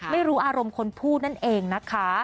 ไม่รู้อารมณ์คนพูดนั่นเองนะคะ